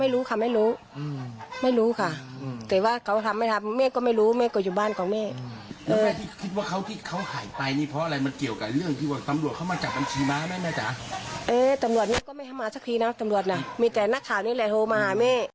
ลูกแม่ขอสอบรภัยติดต่อแล้วเขาก็จะไปหา